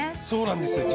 そうなんです。